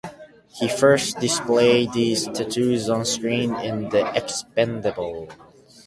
He first displayed these tattoos on-screen in "The Expendables".